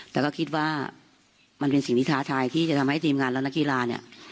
แต่ก็คิดว่ามันเป็นสิ่งที่ท้าทายที่จะทำให้ทีมงานและนักกีฬาเนี่ย